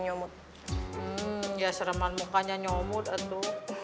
ya sereman mukanya nyomut itu